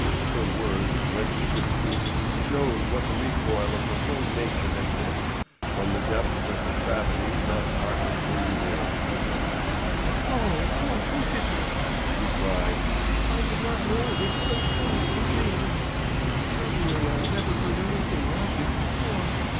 Her words, when she could speak, showed what the recoil of her whole nature had been from the depths of depravity thus heartlessly revealed to her. "Oh, what wickedness!" she cried. "I did not know that such things could be! Certainly I never heard anything like it before.